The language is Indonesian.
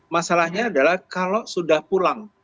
masalahnya adalah kalau sudah pulang